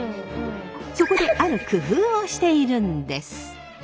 そこである工夫をしているんです。